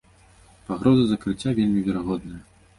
Пагроза закрыцця вельмі верагодная.